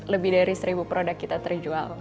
lebih dari seribu produk kita terjual